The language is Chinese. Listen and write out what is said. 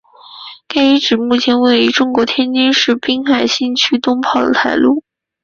该遗址目前位于中国天津市滨海新区东炮台路。